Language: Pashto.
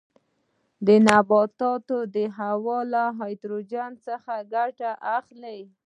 نباتات د هوا له نایتروجن څخه ګټه اخلي.